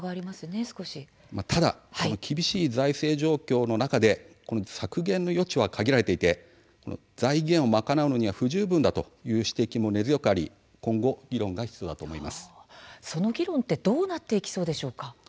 ただ、厳しい財政状況の中でこの削減の余地は限られていて財源を賄うには不十分だという指摘も根強くありその議論ってどうなっていくのでしょうか。